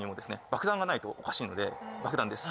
爆弾がないとおかしいので爆弾です